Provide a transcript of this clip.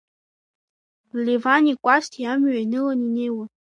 Левани Кәасҭеи амҩа ианыланы инеиуан.